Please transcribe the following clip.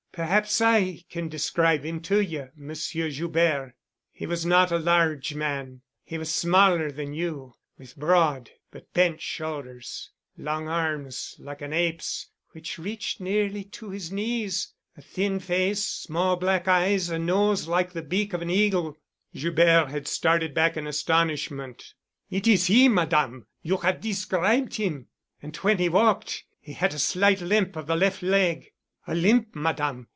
Perhaps I can describe him to you, Monsieur Joubert. He was not a large man, he was smaller than you, with broad but bent shoulders, long arms like an ape's, which reached nearly to his knees, a thin face, small black eyes, a nose like the beak of an eagle——" Joubert had started back in astonishment. "It is he, Madame! You have described him——" "And when he walked he had a slight limp of the left leg——" "A limp, Madame.